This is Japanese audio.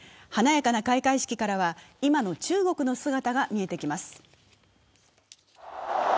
華やかな開会式からは今の中国の姿が見えてきます。